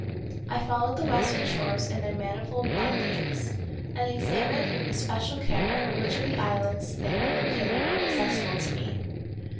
I followed the western shores in their manifold windings, and examined with especial care which of the islands there located were accessible to me.